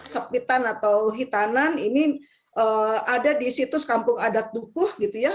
sepitan atau hitanan ini ada di situs kampung adat dukuh gitu ya